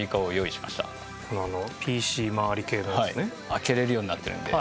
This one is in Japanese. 開けられるようになってるんで。